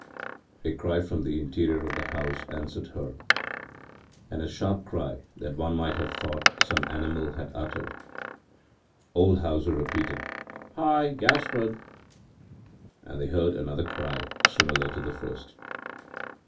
” A cry from the interior of the house answered her and a sharp cry that one might have thought some animal had uttered it. Old Hauser repeated, “Hi, Gaspard!” and they heard another cry similar to the first.